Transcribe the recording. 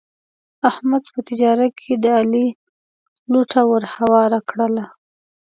احمد په تجارت کې د علي لوټه ور هواره کړله.